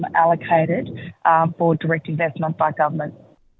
untuk investasi direktif oleh pemerintah